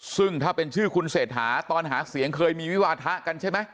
ซึ่งถ้าเป็นชื่อคุณเศรษฐาตอนหาเสียงเคยมีวิวาทะกันใช่ไหม